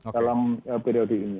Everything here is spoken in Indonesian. dalam periode ini